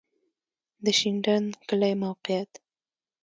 د شینډنډ کلی موقعیت